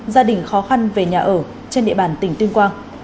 gia đình khó khăn về nhà ở trên địa bàn tỉnh tuyên quang